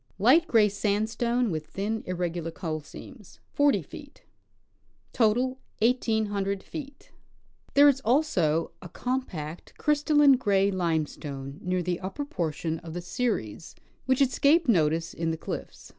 Light gray sandstone, with thin, irregular coal seams Total ....,. 1,800 " There is also a compact, crystalline, gray limestone near tlie upper portion of the series, which escaped notice in the cliffs.